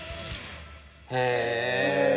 へえ。